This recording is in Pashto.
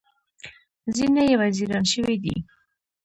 ځینې یې وزیران شوي دي.